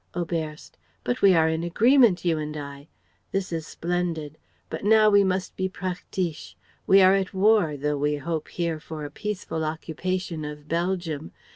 Oberst: "But we are in agreement, you and I! This is splendid. But now we must be praktisch. We are at war, though we hope here for a peaceful occupation of Belgium.